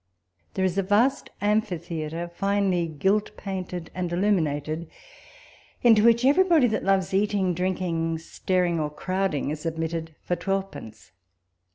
There is a vast amphitheatre, finely gilt, painted, and illuminated, into which everybody that loves eating, drinking, staring, or crowding, is admitted for twelvepence.